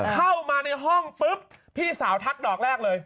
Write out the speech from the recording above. เข้ามาในห้องปุ๊บพี่สาวทักดอกแรกเลย